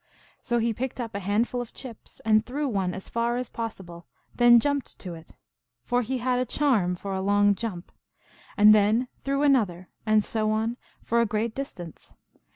So he picked up a handful of chips, and threw one as far as possible, then jumped to it, for he had a charm for a long jump ; and then threw another, and so on, for a great distance.